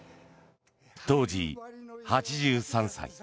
当時、８３歳。